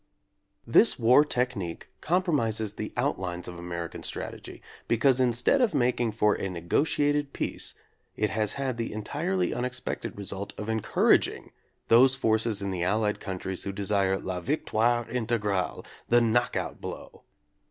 This war technique compromises the outlines of American strategy because instead of making for a negotiated peace it has had the entirely unex pected result of encouraging those forces in the Allied countries who desire la victoire integrate, the "knockout blow."